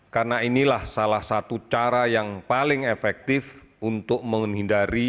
karena inilah salah satu cara yang paling efektif untuk menghindari